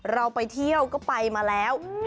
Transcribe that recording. เราไปเที่ยวก็ไปมาแล้ว